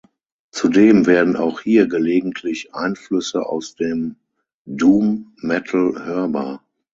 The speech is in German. Zudem werden auch hier gelegentlich Einflüsse aus dem Doom Metal hörbar.